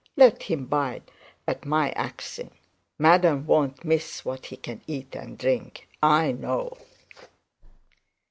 Let him bide at my axing. Madam won't miss what he can eat and drink, I know.'